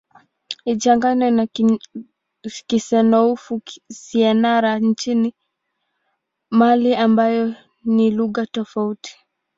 Isichanganywe na Kisenoufo-Syenara nchini Mali ambayo ni lugha tofauti.